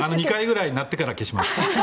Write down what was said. ２回くらい鳴ってから消します。